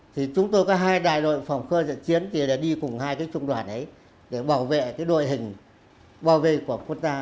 thì chúng tôi có hai đài đội phòng khơi dựa chiến thì là đi cùng hai cái trung đoàn ấy để bảo vệ cái đội hình bảo vệ của quân ta